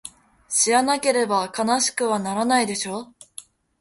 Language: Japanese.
知らなければ悲しくはならないでしょ？